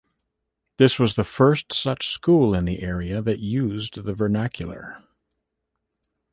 It was the first such school in the area that used the vernacular.